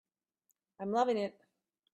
I'm loving it.